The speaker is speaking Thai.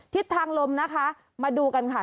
ทิศทางลมนะคะมาดูกันค่ะ